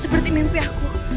seperti mimpi aku